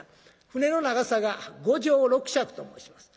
船の長さが５丈６尺と申します。